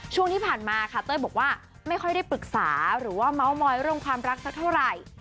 ช่วงที่ผ่านมาค่ะเต้ยบอกว่าไม่ค่อยได้ปรึกษาหรือว่าเมาส์มอยเรื่องความรักสักเท่าไหร่